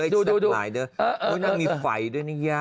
ต้องมีไฟด้วยนี่ย่ะ